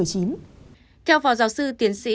theo phó giáo sư tiến sĩ